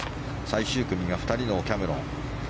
最終組が２人のキャメロン。